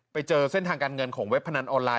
ไปเจอเส้นทางการเงินของเว็บพนันออนไลน